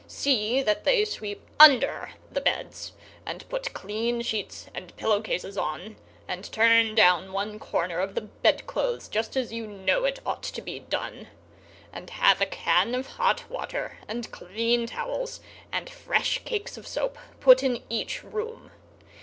See that they sweep under the beds, and put clean sheets and pillow cases on, and turn down one corner of the bed clothes, just as you know it ought to be done; and have a can of hot water, and clean towels, and fresh cakes of soap, put in each room.